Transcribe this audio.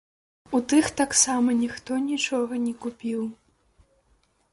У тых таксама ніхто нічога не купіў.